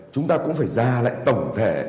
chúng ta cũng phải ra lại tổng thể